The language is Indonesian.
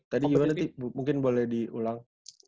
tadi gimana nanti mungkin boleh diulang